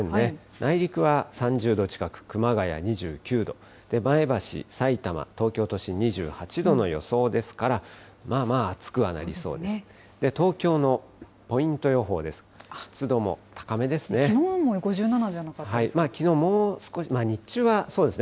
内陸は３０度近く、熊谷２９度、前橋、さいたま、東京都心２８度の予想ですから、まあまあ暑くはなりそうです。